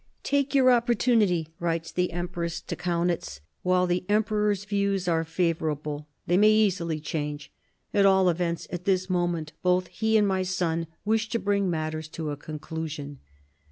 " Take your opportunity," writes the empress to Kaunitz, " while the emperor's views are favourable ; they may easily change. At all events, at this moment both he and my son wish to bring matters to a conclusion."